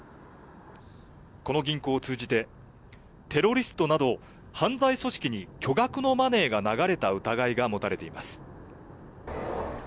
この銀行を通じて、テロリストなど、犯罪組織に巨額なマネーが流れた疑いが持たれています。